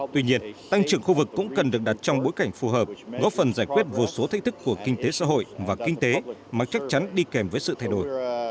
tuy nhiên tăng trưởng khu vực cũng cần được đặt trong bối cảnh phù hợp góp phần giải quyết vô số thách thức của kinh tế xã hội và kinh tế mà chắc chắn đi kèm với sự thay đổi